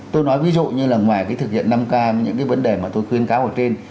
tôi nói ví dụ như là ngoài cái thực hiện năm k những cái vấn đề mà tôi khuyên cáo ở trên